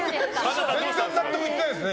全然納得いっていないですね。